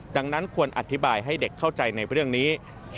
ดังนั้นควรอธิบายให้เด็กเข้าใจในเรื่องนี้